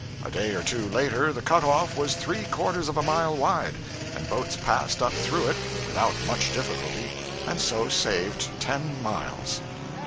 A day or two later the cut off was three quarters of a mile wide, and boats passed up through it without much difficulty, and so saved ten miles.